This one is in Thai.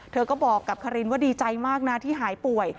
เธอก็บอกกับคารินว่าดีใจมากนะที่หายป่วย